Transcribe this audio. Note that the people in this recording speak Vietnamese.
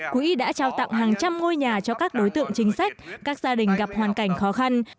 quỹ đã trao tặng hàng trăm ngôi nhà cho các đối tượng chính sách các gia đình gặp hoàn cảnh khó khăn